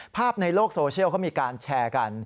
ภาพในโลกโซเชียลเขามีการแชร์กัน